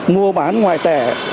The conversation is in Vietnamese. mua bán ngoại tệ